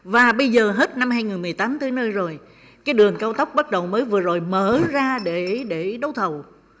và bây giờ hết năm hai nghìn một mươi tám tới nơi rồi cái đường cao tốc bắt đầu mới vừa rồi mở ra để đấu thầu